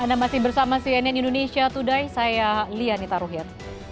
anda masih bersama cnn indonesia today saya lianita ruhir